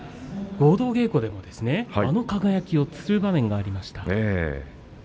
合同稽古でもあの輝をつる場面がありましたね。